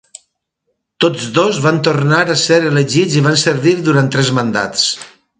Tots dos van tornat a ser elegits i van servir durant tres mandats.